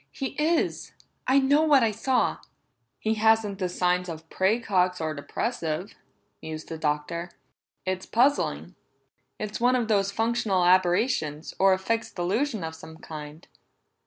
"He is. I know what I saw!" "He hasn't the signs of praecox or depressive," mused the Doctor. "It's puzzling; it's one of those functional aberrations, or a fixed delusion of some kind.